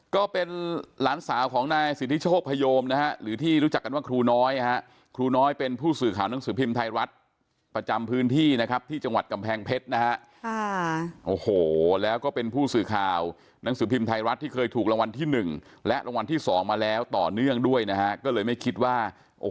ก็เป็นหลานสาวของนายสิทธิโชคพยมนะฮะหรือที่รู้จักกันว่าครูน้อยฮะครูน้อยเป็นผู้สื่อข่าวหนังสือพิมพ์ไทยรัฐประจำพื้นที่นะครับที่จังหวัดกำแพงเพชรนะฮะค่ะโอ้โหแล้วก็เป็นผู้สื่อข่าวหนังสือพิมพ์ไทยรัฐที่เคยถูกรางวัลที่หนึ่งและรางวัลที่สองมาแล้วต่อเนื่องด้วยนะฮะก็เลยไม่คิดว่า